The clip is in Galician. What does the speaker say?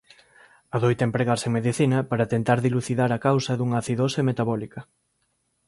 Adoita empregarse en medicina para tentar dilucidar a causa dunha acidose metabólica.